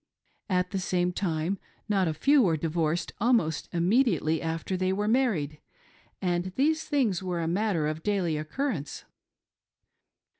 At the same time not a few were divorced almost immediately after they were married, and these things were a matter of daily occurrence.